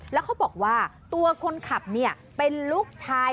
แล้วเขาบอกว่าตัวคนขับเนี่ยเป็นลูกชาย